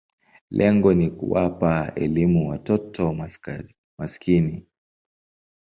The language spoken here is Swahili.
Lengo ni kuwapa elimu watoto maskini.